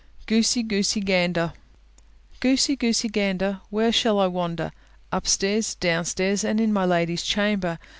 _ GOOSEY, GOOSEY GANDER Goosey, Goosey Gander, Where shall I wander? Upstairs, downstairs, And in my lady's chamber.